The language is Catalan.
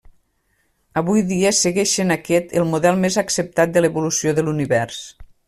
Avui dia segueix sent aquest el model més acceptat de l'evolució de l'univers.